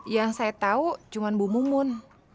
yang saya tahu cuma bu mumun